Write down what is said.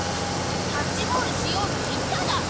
キャッチボールしようっていっただろ。